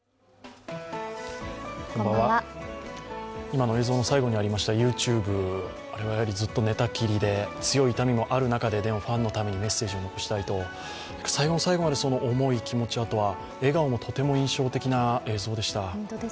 今の映像の最後にありましたＹｏｕＴｕｂｅ、あれはやはりずっと寝たきりで、強い痛みがある中で、でもファンのためにメッセージを残したいと最後の最後まで思い、気持ち、あとは笑顔もとても印象的な映像でした。